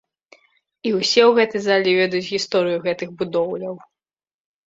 І ўсе ў гэтай залі ведаюць гісторыю гэтых будоўляў.